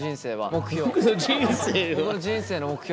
目標。